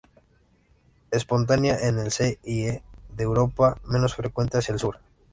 Espontánea en el C y E de Europa, menos frecuente hacia el Sur.